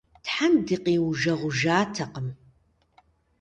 Тхьэм дыкъиужэгъужатэкъым.